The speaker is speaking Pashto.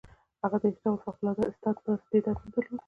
هغه د هیڅ ډول فوق العاده استعداد نه درلود.